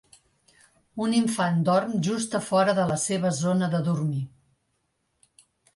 Un infant dorm just a fora de la seva zona de dormir.